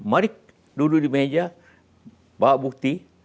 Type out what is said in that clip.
mari duduk di meja bawa bukti